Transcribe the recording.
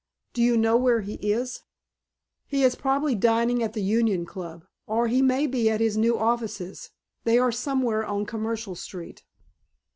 Do you know where he is?" "He is probably dining at the Union Club or he may be at his new offices. They are somewhere on Commercial Street."